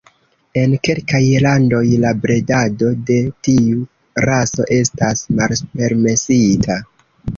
En kelkaj landoj, la bredado de tiu raso estas malpermesita.